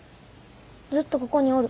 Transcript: ずっとここにおる。